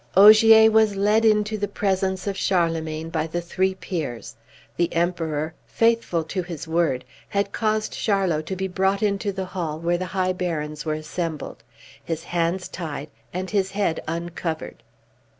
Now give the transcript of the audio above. Ogier was led into the presence of Charlemagne by the three peers. The Emperor, faithful to his word, had caused Charlot to be brought into the hall where the high barons were assembled, his hands tied, and his head uncovered.